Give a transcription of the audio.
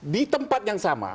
di tempat yang sama